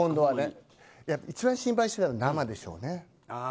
一番心配しているのは生でしょうね。